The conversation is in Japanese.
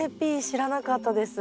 知らなかったです。